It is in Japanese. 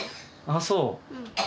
ああそう。